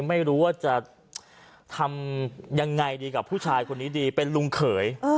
ไม่รู้ว่าจะทำยังไงดีกับผู้ชายคนนี้ดีเป็นลุงเขย